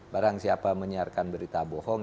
barang siapa menyiarkan berita bohong